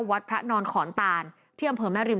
วัดพระนอนขอนตานที่อำเภอแม่ริม